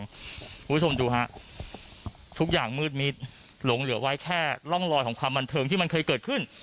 คุณผู้ชมดูฮะทุกอย่างมืดมิดหลงเหลือไว้แค่ร่องรอยของความบันเทิงที่มันเคยเกิดขึ้น